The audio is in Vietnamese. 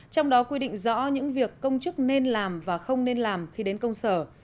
trong đó quy định rõ những việc công chức nên làm và không nên làm khi đến công sở